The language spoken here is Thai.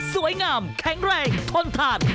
สวยงามแข็งแรงทนทาน